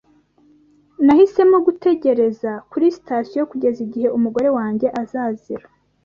[S] Nahisemo gutegereza kuri sitasiyo kugeza igihe umugore wanjye azazira.